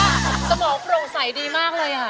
รู้สึกว่าสมองโปร่งใสดีมากเลยอะ